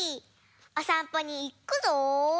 おさんぽにいくぞ！